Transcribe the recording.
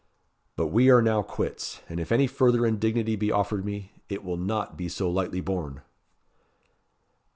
But we are now quits; and if any further indignity be offered me, it will not be so lightly borne."